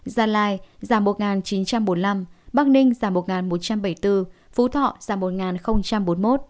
gia lai giảm một chín trăm bốn mươi năm bắc ninh giảm một một trăm bảy mươi bốn phú thọ giảm một bốn mươi một